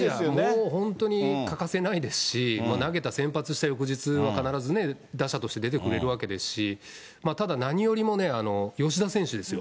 もう本当に欠かせないですし、投げた先発した翌日は、必ずね、打者として出てくれるわけですし、ただ、何よりもね、吉田選手ですよ。